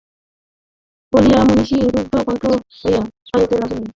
বলিয়া মহিষী রুদ্ধকণ্ঠ হইয়া কাঁদিতে লাগিলেন।